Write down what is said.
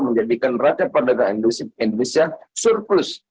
menjadikan raca perdagangan indonesia surplus